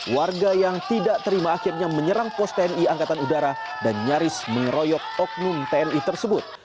warga yang tidak terima akhirnya menyerang pos tni angkatan udara dan nyaris mengeroyok oknum tni tersebut